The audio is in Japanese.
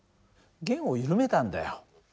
弦を緩めたんだよ。